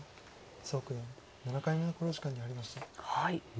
蘇九段７回目の考慮時間に入りました。